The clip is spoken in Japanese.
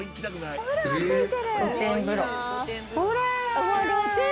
ほら！